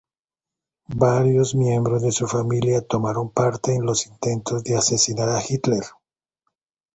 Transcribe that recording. Varios miembros de su familia tomaron parte en los intentos de asesinar a Hitler.